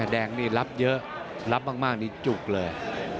แดงนี่รับเยอะรับมากนี่จุกเลย